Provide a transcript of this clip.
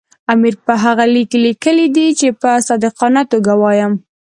امیر په هغه لیک کې لیکلي دي چې په صادقانه توګه وایم.